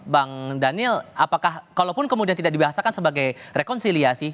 bang daniel apakah kalaupun kemudian tidak dibahasakan sebagai rekonsiliasi